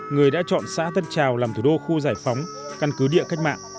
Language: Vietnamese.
người đã chọn xã tân trào làm thủ đô khu giải phóng căn cứ địa cách mạng